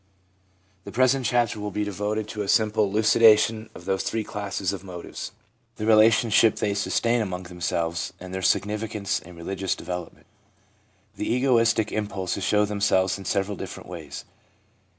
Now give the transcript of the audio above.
The present chapter will be devoted to a simple elucidation of those three classes of motives, the rela 338 THE PSYCHOLOGY OF RELIGION tionship they sustain among themselves, and their sig nificance in religious development. The egoistic impulses show themselves in several different ways.